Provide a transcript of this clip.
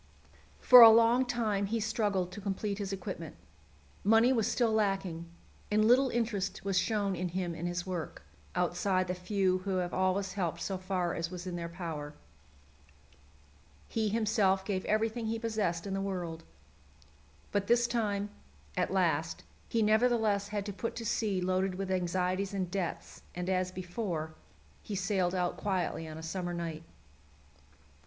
For a long time he struggled to complete his equipment. Money was still lacking, and little interest was shown in him and his work, outside the few who have always helped so far as was in their power. He himself gave everything he possessed in the world. But this time, as last, he nevertheless had to put to sea loaded with anxieties and debts, and, as before, he sailed out quietly on a summer night.